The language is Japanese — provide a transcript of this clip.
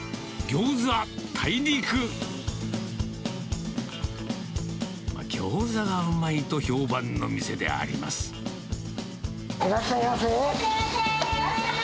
ギョーザがうまいと評判の店であいらっしゃいませ。